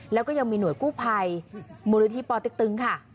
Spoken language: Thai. แล้วก็ยังมีหน่วยกู้ไพรมูลยธีปติ๊กตึงค่ะ